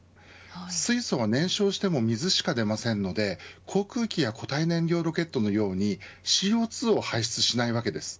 水素は燃焼しても水しか出ませんので航空機や固体燃料ロケットのようにＣＯ２を排出しないわけです。